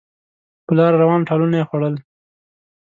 په لاره روان ټالونه یې خوړل